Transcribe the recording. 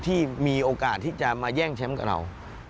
ที่มีโอกาสที่จะมาแย่งแชมป์กับเรา